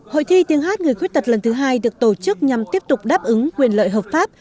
hội thi tiếng hát người khuyết tật lần thứ hai được tổ chức nhằm tiếp tục đáp ứng quyền lợi hợp pháp